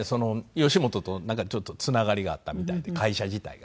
吉本となんかちょっとつながりがあったみたいで会社自体が。